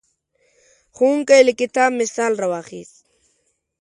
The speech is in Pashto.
ښوونکی له کتاب مثال راواخیست.